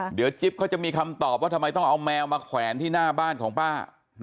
เดี๋ยวจิ๊บเขาจะมีคำตอบว่าทำไมต้องเอาแมวมาแขวนที่หน้าบ้านของป้า